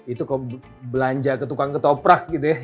itu kok belanja ke tukang ketoprak gitu ya